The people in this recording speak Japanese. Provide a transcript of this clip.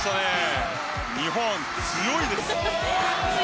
日本強いです。